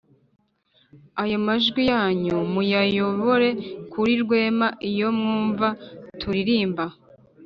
ayo majwi yanyu muyayobore kuri rwema iyo mwumva tulirimba,